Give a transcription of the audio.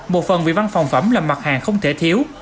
một phần vì văn phòng phẩm là mặt hàng không thể thiếu